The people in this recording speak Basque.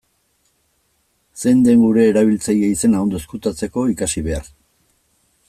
Zein den gure erabiltzaile-izena ondo ezkutatzeko, ikasi behar.